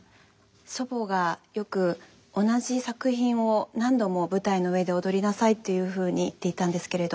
祖母がよく「同じ作品を何度も舞台の上で踊りなさい」っていうふうに言っていたんですけれど。